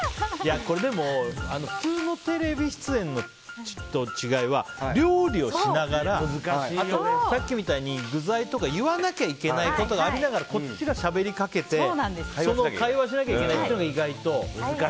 でも普通のテレビ出演との違いは料理をしながら、さっきみたいに具材とか言わなきゃいけないことがありながらこっちがしゃべりかけて、会話をしなきゃいけないというのが意外と。